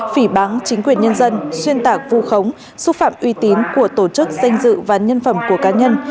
phỉ bán chính quyền nhân dân xuyên tạc vu khống xúc phạm uy tín của tổ chức danh dự và nhân phẩm của cá nhân